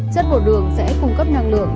chất bột đường sẽ cung cấp năng lượng